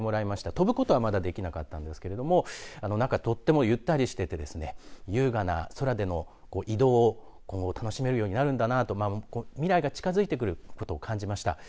飛ぶことまだできなかったんですけども中はとってもゆったりしていて優雅な空の移動を今後楽しめるようになるんだなと未来が近づいてくることを感じました。